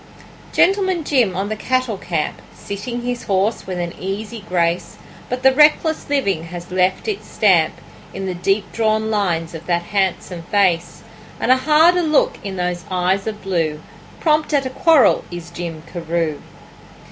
Gentleman Jim on the cattle camp, Sitting his horse with an easy grace; But the reckless living has left its stamp In the deep drawn lines of that handsome face, And a harder look in those eyes of blue: Prompt at a quarrel is Jim Carew.